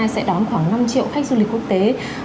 sẽ đón khoảng năm triệu khách du lịch quốc tế